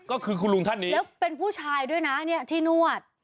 ก็คือคุณลุงท่านนี้แล้วเป็นผู้ชายด้วยนะเนี่ยที่นวด